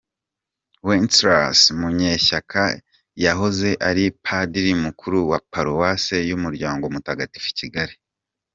Wenceslas Munyeshyaka yahoze ari Padiri Mukuru wa Paruwase y’Umuryango Mutagatifu i Kigali.